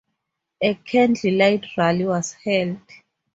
A candlelight rally was held.